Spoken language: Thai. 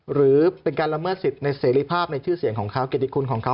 หรือเป็นการละเมิดสิทธิ์ในเสรีภาพในชื่อเสียงของเขาเกติคุณของเขา